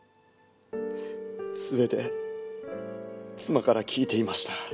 全て妻から聞いていました。